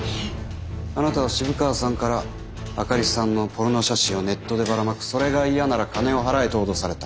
あなたは渋川さんから灯里さんのポルノ写真をネットでばらまくそれが嫌なら金を払えと脅された。